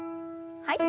はい。